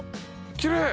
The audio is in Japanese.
きれい！